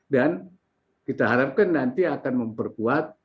dan kita harapkan nanti akan memperkuat